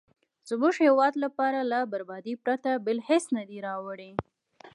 زموږ هیواد لپاره له بربادۍ پرته بل هېڅ نه دي راوړي.